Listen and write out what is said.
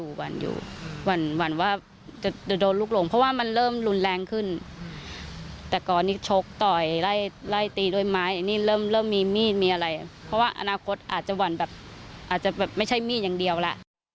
ส่วนพ่อค้าขายของในสวนสาธารณะจัตรุจักรเนี่ยนะคะ